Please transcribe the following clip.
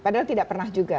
padahal tidak pernah juga